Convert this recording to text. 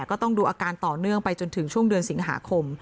ก็ต้องดูอาการต่อเนื่องไปจนถึงช่วงเดือนสิงหาคม